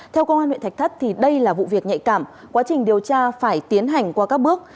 theo công an huyện thạch thất đây là vụ việc nhạy cảm quá trình điều tra phải tiến hành qua các bước